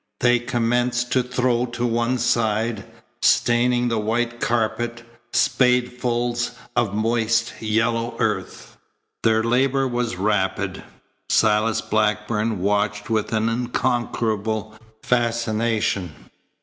They commenced to throw to one side, staining the white carpet, spadesful of moist, yellow earth. Their labour was rapid. Silas Blackburn watched with an unconquerable fascination.